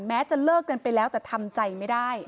จะเลิกกันไปแล้วแต่ทำใจไม่ได้